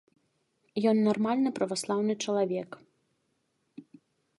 Ён нармальны праваслаўны чалавек.